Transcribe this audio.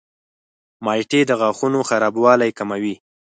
مالټې د غاښونو خرابوالی کموي.